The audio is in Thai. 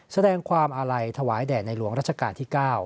แสดงความอาลัยถวายแด่ในหลวงรัชกาลที่๙